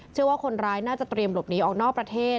เชื่อว่าคนร้ายน่าจะเตรียมหลบหนีออกนอกประเทศ